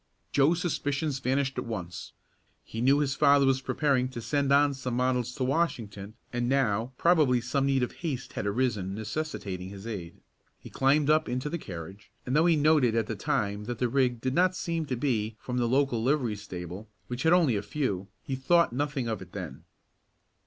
Joe's suspicions vanished at once. He knew his father was preparing to send on some models to Washington and now probably some need of haste had arisen necessitating his aid. He climbed up into the carriage, and though he noted at the time that the rig did not seem to be from the local livery stable, which had only a few, he thought nothing of it then.